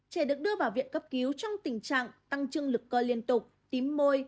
trẻ được đưa vào viện cấp cứu trong tình trạng tăng trưng lực co liên tục tím môi